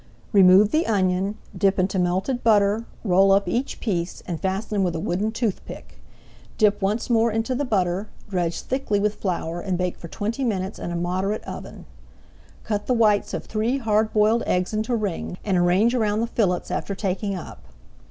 Remove the onion, dip into melted butter, roll up each piece, and fasten with a wooden toothpick. Dip once [Page 187] more into the butter, dredge thickly with flour and bake for twenty minutes in a moderate oven. Cut the whites of three hard boiled eggs into rings, and arrange around the fillets after taking up.